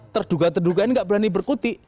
terduga terdugain tidak berani berkuti